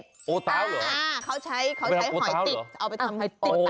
โอเตาเหรอไม่เป็นโอเตาหรือเขาใช้หอยติดเอาไปทำหอยติดโต้